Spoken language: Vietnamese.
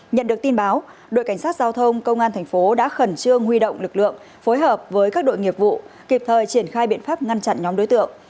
nhận được tin báo đội cảnh sát giao thông công an thành phố đã khẩn trương huy động lực lượng phối hợp với các đội nghiệp vụ kịp thời triển khai biện pháp ngăn chặn nhóm đối tượng